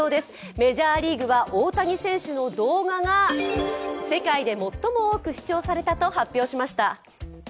メジャーリーグは大谷選手の動画が世界で最も多く視聴されたと発表しました。